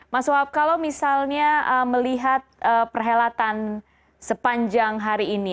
mas wab kalau misalnya melihat perhelatan sepanjang hari ini